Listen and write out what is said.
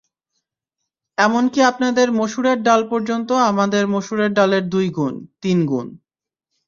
এমনকি আপনাদের মসুরের ডাল পর্যন্ত আমাদের মসুরের ডালের দুই গুণ, তিন গুণ।